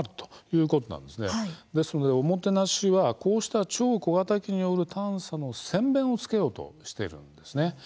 ですのでオモテナシはこうした超小型機による探査の先べんをつけようとしているんですね。